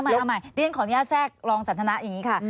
เอาใหม่เรียนของย่าแทรกรองสัตว์ธนาคมอย่างนี้ค่ะ